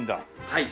はい。